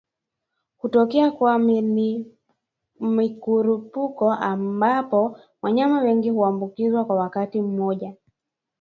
Hutokea kwa mikurupuko ambapo wanyama wengi huambukizwa kwa wakati mmoja